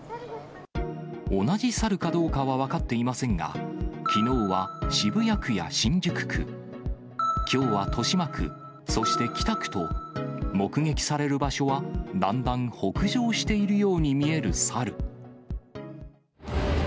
同じ猿かどうかは分かっていませんが、きのうは渋谷区や新宿区、きょうは豊島区、そして北区と、目撃される場所は、だんだん北上しているように見える猿。